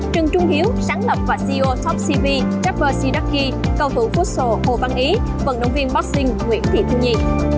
trần trung hiếu sáng lập và ceo topcv trevor sieducki cầu thủ futsal hồ văn ý vận động viên boxing nguyễn thị thư nhi